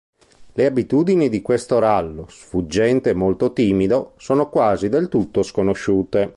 Le abitudini di questo rallo, sfuggente e molto timido, sono quasi del tutto sconosciute.